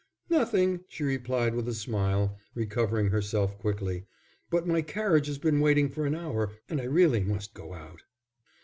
"Nothing," she replied, with a smile, recovering herself quickly. "But my carriage has been waiting for an hour, and I really must go out."